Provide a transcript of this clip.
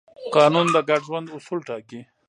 قانون د ګډ ژوند اصول ټاکي.